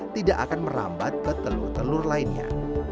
tidak akan merambat ke telur telur lainnya